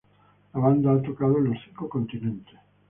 La banda ha tocado en los cinco continentes.